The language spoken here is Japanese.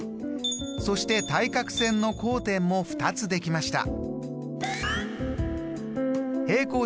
そして対角線の交点も２つできました。